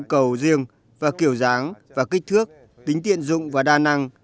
cầu riêng và kiểu dáng và kích thước tính tiện dụng và đa năng